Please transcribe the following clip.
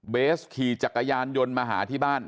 เบสขี่จักรยานยนต์มาหาที่บ้าน